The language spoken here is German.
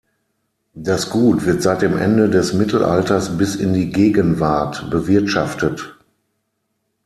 Das Gut wird seit dem Ende des Mittelalters bis in die Gegenwart bewirtschaftet.